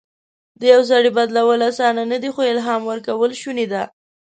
د یو سړي بدلول اسانه نه دي، خو الهام ورکول شونی ده.